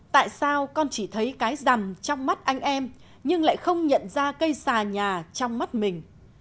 tại sao con chỉ thấy cái rằm trong mắt anh em nhưng lại không nhận ra cây xà nhà trong mắt mình